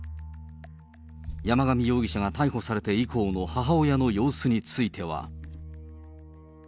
山上容疑者が逮捕されて以降の母親の様子については。